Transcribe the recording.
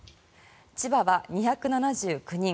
千葉は２７９人